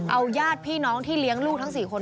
เอาญาติพี่น้องที่เลี้ยงลูกทั้ง๔คน